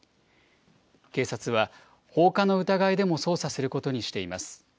警察は、放火の疑いでも捜査することにしています。